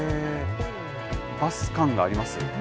バス感がありますよね。